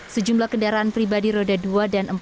sejumlah kendaraan pribadi roda dua dan empat